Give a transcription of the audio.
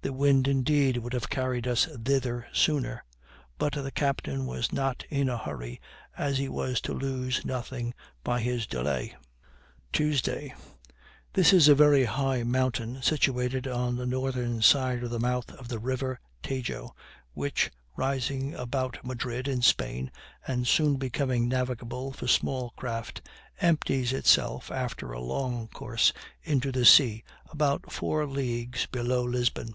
The wind, indeed, would have carried us thither sooner; but the captain was not in a hurry, as he was to lose nothing by his delay. Tuesday. This is a very high mountain, situated on the northern side of the mouth of the river Tajo, which, rising about Madrid, in Spain, and soon becoming navigable for small craft, empties itself, after a long course, into the sea, about four leagues below Lisbon.